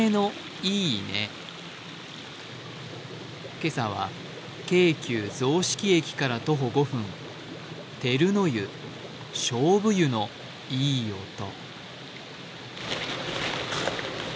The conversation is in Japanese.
今朝は、京急・雑色駅から徒歩５分照の湯、菖蒲湯のいい音。